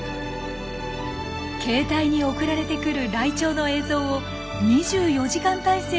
携帯に送られてくるライチョウの映像を２４時間態勢でチェックする毎日。